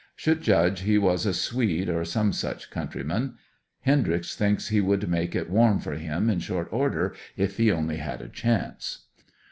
Should judge he was a Swede, or some such countryman. Hendryx thinks he could make it warm for him in short order if he only had a chance.